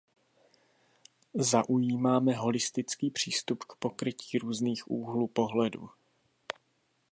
Zaujímáme holistický přístup k pokrytí různých úhlů pohledu.